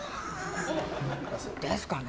△ですかね。